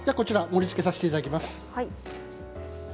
盛りつけさせていただきます。